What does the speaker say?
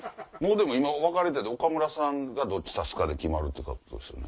でも今分かれてて岡村さんがどっち指すかで決まるってことですよね。